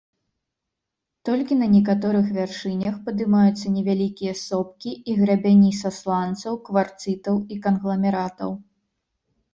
Толькі на некаторых вяршынях падымаюцца невялікія сопкі і грабяні са сланцаў, кварцытаў і кангламератаў.